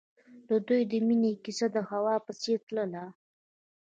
د دوی د مینې کیسه د هوا په څېر تلله.